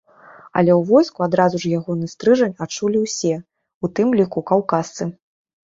Але ў войску адразу ж ягоны стрыжань адчулі ўсе, у тым ліку каўказцы.